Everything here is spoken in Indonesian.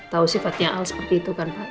tahu sifatnya al seperti itu kan pak